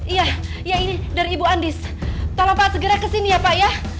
iya ya ini dari ibu andis tolong pak segera kesini ya pak ya